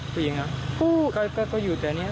ผู้หญิงครับก็อยู่แต่อันนี้